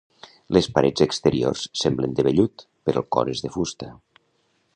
Les parets exteriors semblen de vellut, però el cor és de fusta.